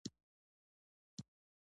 غوړې د وینې شکر کمولو کې مرسته کوي.